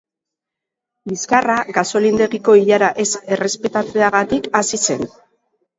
Liskarra gasolindegiko ilara ez errespetatzeaagtik hasi zen.